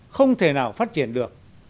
không thể nào phát triển được